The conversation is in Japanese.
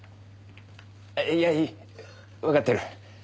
いやいいわかってる。